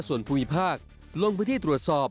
ส่วนภูมิภาคลงพฤทธิ์ตรวจสอบ